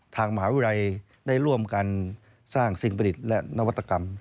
ทางมหาวิทยาลัยได้ร่วมกันสร้างสิ่งประดิษฐ์และนวัตกรรม